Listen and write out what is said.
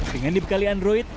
dengan dibekali android